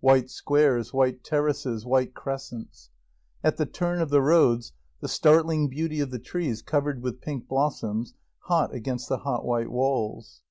White squares, white terraces, white crescents; at the turn of the roads the startling beauty of the trees covered with pink blossoms, hot against the hot white walls.